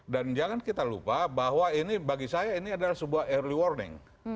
dan jangan kita lupa bahwa ini bagi saya ini adalah sebuah early warning